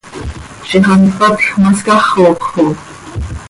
Ziix hant cpatj ma scaxoj xo!